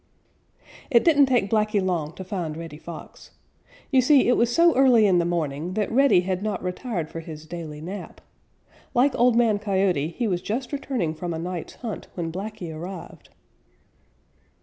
It didn't take Blacky long to find Reddy Fox. You see, it was so early in the morning that Reddy had not retired for his daily nap. Like Old Man Coyote, he was just returning from a night's hunt when Blacky arrived.